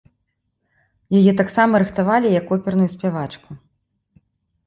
Яе таксама рыхтавалі як оперную спявачку.